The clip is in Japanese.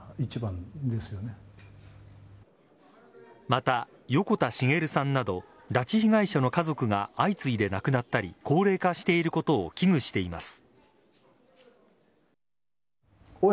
また、横田滋さんなど拉致被害者の家族が相次いで亡くなったり高齢化していることを危惧しています。